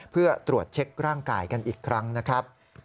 เพื่อตรวจเช็คร่างกายกันอีกครั้งนะครับ